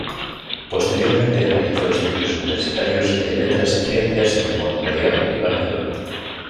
Posteriormente realizó estudios universitarios de letras y ciencias en Montpellier y Barcelona.